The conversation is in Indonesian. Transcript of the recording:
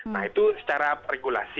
nah itu secara regulasi